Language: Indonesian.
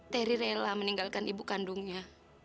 terry rela meninggalkan ibu kandungnya